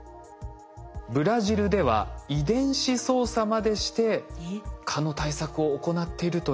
ブラジルでは遺伝子操作までして蚊の対策を行っているといいます。